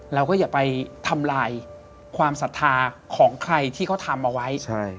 เราก็อย่าไปทำลายความศรัทธาของใครที่เขาทำเอาไว้